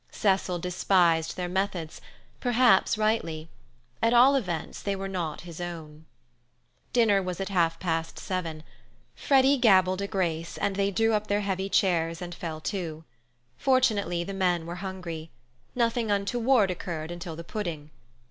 Cecil despised their methods—perhaps rightly. At all events, they were not his own. Dinner was at half past seven. Freddy gabbled the grace, and they drew up their heavy chairs and fell to. Fortunately, the men were hungry. Nothing untoward occurred until the pudding.